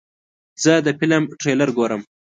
زه د فلم تریلر ګورم.